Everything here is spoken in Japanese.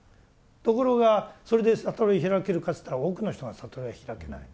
ところがそれで悟り開けるかといったら多くの人が悟りは開けない。